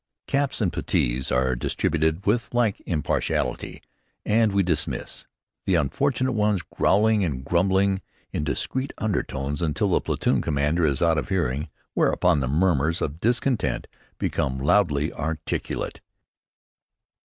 Caps and puttees are distributed with like impartiality, and we dismiss, the unfortunate ones growling and grumbling in discreet undertones until the platoon commander is out of hearing, whereupon the murmurs of discontent become loudly articulate.